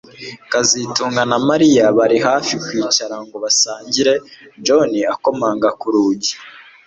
kazitunga na Mariya bari hafi kwicara ngo basangire John akomanga ku rugi